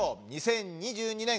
２０２２年